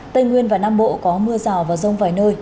tây nguyên và nam bộ có mưa rào và rông vài nơi